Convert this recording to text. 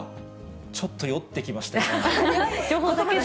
ちょっと酔ってきましたよ、今ので。